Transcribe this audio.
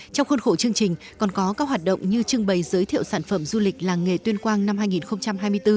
trong khuôn khổ chương trình còn có các hoạt động như trưng bày giới thiệu sản phẩm du lịch làng nghề tuyên quang năm hai nghìn hai mươi bốn